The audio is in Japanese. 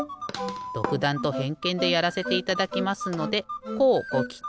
どくだんとへんけんでやらせていただきますのでこうごきたい。